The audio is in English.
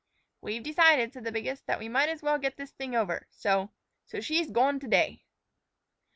"We've decided," said the biggest, "that we might as well get this thing over. So so she's goin' to day."